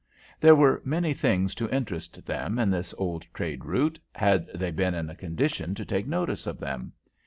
There were many things to interest them in this old trade route, had they been in a condition to take notice of them.